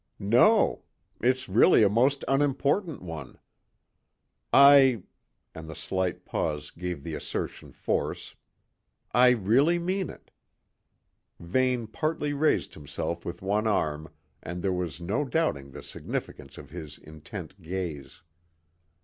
"No; it's really a most unimportant one; I" and the slight pause gave the assertion force "I really mean it." Vane partly raised himself with one arm and there was no doubting the significance of his intent gaze.